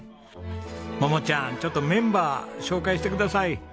桃ちゃんちょっとメンバー紹介してください。